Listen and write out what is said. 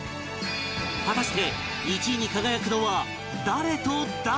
果たして１位に輝くのは誰と誰？